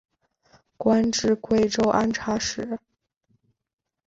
官至贵州按察使。